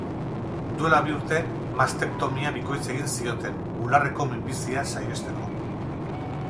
Duela bi urte mastektomia bikoitza egin zioten, bularreko minbizia saihesteko.